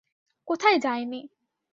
কোথায় যায় নি?